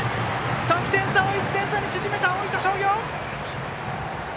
得点差を１点差に縮めた大分商業！